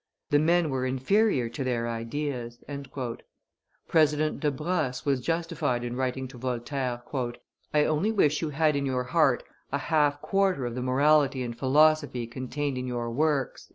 "The men were inferior to their ideas." President De Brosses was justified in writing to Voltaire, "I only wish you had in your heart a half quarter of the morality and philosophy contained in your works."